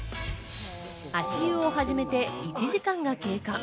足湯を始めて１時間が経過。